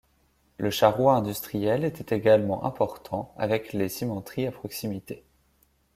Le charroi industriel était également important avec les cimenteries à proximité.